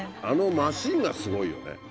あのマシンがすごいよね。